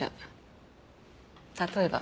例えば。